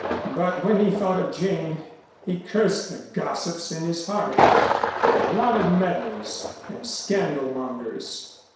But when he thought of Jane he cursed the gossips in his heart for a lot of meddlers and scandal mongers.